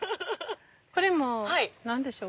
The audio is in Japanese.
これも何でしょう？